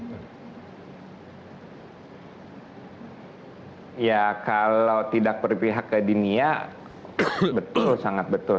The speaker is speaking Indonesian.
ya kalau tidak berpihak ke dunia betul sangat betul